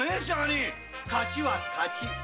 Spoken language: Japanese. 勝ちは勝ちだ。